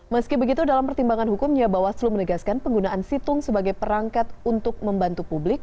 meski begitu dalam pertimbangan hukumnya bawaslu menegaskan penggunaan situng sebagai perangkat untuk membantu publik